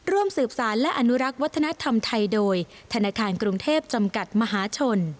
ร่วมสืบสารและอนุรักษ์วัฒนธรรมไทยโดยธนาคารกรุงเทพจำกัดมหาชน